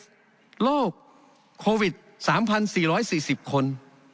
โรคโควิด๓๔๔๐คน